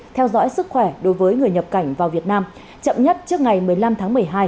theo dõi sức khỏe đối với người nhập cảnh vào việt nam chậm nhất trước ngày một mươi năm tháng một mươi hai